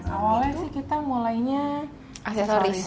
awalnya kita mulainya aksesoris